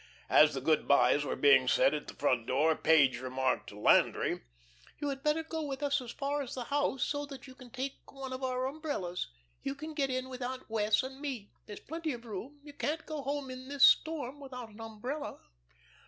As the good bys were being said at the front door Page remarked to Landry: "You had better go with us as far as the house, so that you can take one of our umbrellas. You can get in with Aunt Wess' and me. There's plenty of room. You can't go home in this storm without an umbrella."